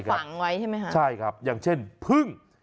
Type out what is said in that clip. ฝังไว้ใช่ไหมคะใช่ครับอย่างเช่นพึ่ง